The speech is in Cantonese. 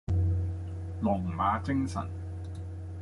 龍馬精神